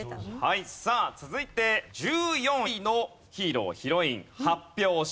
さあ続いて１４位のヒーロー＆ヒロイン発表します。